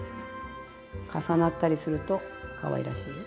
重なったりするとかわいらしいよ。